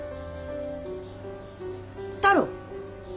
太郎！